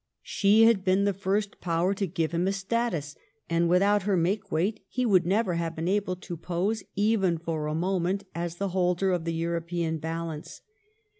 She had been the first power to give him a status; and without her make weight, he would never have been able to pose, even for a moment, as the holder of the European balance.